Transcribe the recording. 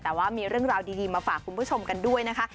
แต่ว่ามีเรื่องราวดีมาฝากคุณผู้ชมกันด้วยนะคะ